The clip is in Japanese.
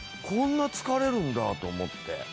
こんな疲れるんだと思って。